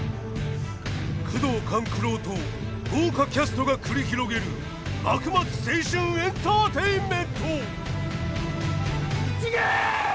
宮藤官九郎と豪華キャストが繰り広げる幕末青春エンターテインメント！